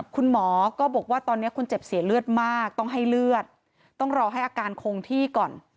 คุณหมอก็บอกว่าตอนนี้คนเจ็บเสียเลือดมากต้องให้เลือดต้องรอให้อาการคงที่ก่อน